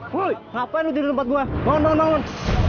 woi ngapain lu tidur tempat gua bangun bangun bangun